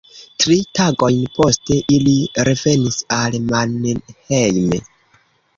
Tri tagojn poste ili revenis al Mannheim.